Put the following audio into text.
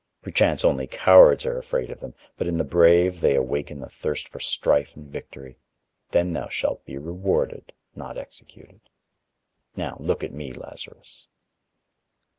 Perchance, only cowards are afraid of them, but in the brave they awake the thirst for strife and victory; then thou shalt be rewarded, not executed.... Now, look at me, Lazarus."